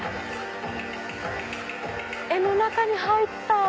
絵の中に入った！